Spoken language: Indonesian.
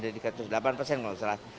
ada tiga ratus delapan persen kalau tidak salah